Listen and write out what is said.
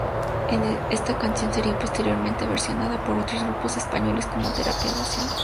Esta canción sería posteriormente versionada por otros grupos españoles como Terapia Nacional.